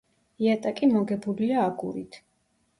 იატაკი მოგებულია აგურით.